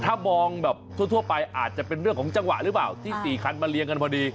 ถ้ามองแบบทั่วไปอาจจะเป็นเรื่องของจังหวะหรือเปล่าที่๔คันมาเรียงกันพอดี